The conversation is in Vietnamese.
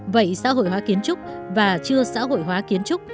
vậy xã hội hóa kiến trúc và chưa xã hội hóa kiến trúc